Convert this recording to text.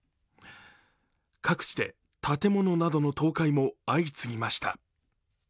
各地で建物などの倒壊も相次ぎました。